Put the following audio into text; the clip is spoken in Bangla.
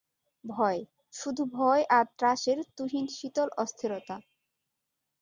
ভয়, শুধু ভয় আর ত্রাসের তুহিন শীতল অস্থিরতা।